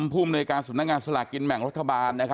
ภูมิในการสำนักงานสลากกินแบ่งรัฐบาล